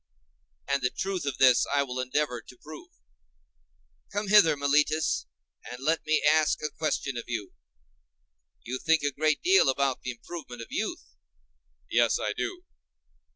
And the truth of this I will endeavor to prove. Come hither, Meletus, and let me ask a question of you. You think a great deal about the improvement of youth? Yes, I do.